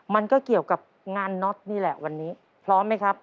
มันก็เกี่ยวกับงานน็อตนี่แหละวันนี้พร้อมไหมครับ